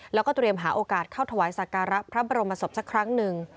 แล้วก็เตรียมหาโอกาสเข้าถวายสักการะพระบรมศพสักครั้งหนึ่ง